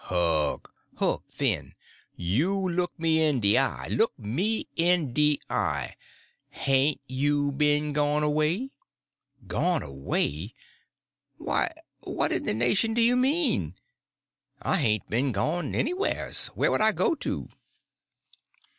"Huck—Huck Finn, you look me in de eye; look me in de eye. Hain't you ben gone away?" "Gone away? Why, what in the nation do you mean? I hain't been gone anywheres. Where would I go to?"